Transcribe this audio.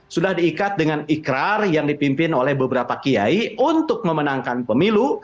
sudah diikat dengan ikrar yang dipimpin oleh beberapa kiai untuk memenangkan pemilu